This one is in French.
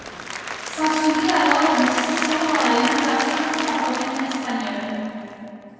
S'ensuivit alors une scission dans la littérature contemporaine espagnole.